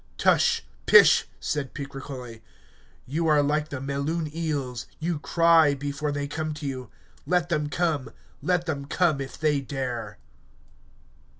Tush, pish, said Picrochole, you are like the Melun eels, you cry before they come to you. Let them come, let them come, if they dare.